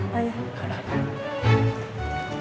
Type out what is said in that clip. gak ada apa